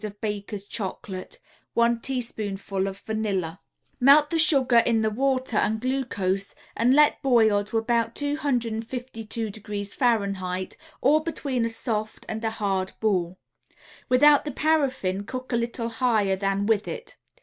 of Baker's Chocolate, 1 teaspoonful of vanilla. Melt the sugar in the water and glucose and let boil to about 252° F., or between a soft and a hard ball. Without the paraffine cook a little higher than with it.